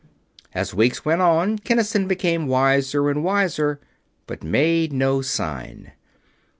As weeks went on, Kinnison became wiser and wiser, but made no sign.